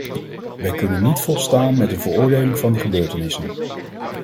Wij kunnen niet volstaan met een veroordeling van de gebeurtenissen.